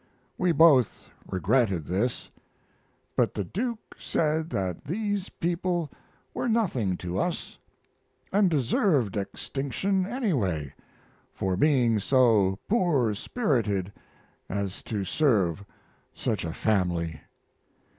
We both regretted this, but the Duke said that these people were nothing to us, and deserved extinction anyway for being so poor spirited as to serve such a Family.